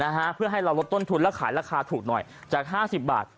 นะฮะเพื่อให้เราลดต้นทุนแล้วขายราคาถูกหน่อยจากห้าสิบบาท